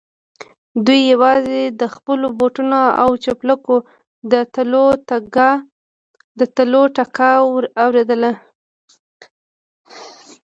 دوی يواځې د خپلو بوټونو او څپلکو د تلو ټکا اورېدله.